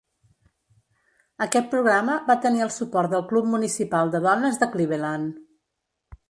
Aquest programa va tenir el suport del Club Municipal de Dones de Cleveland.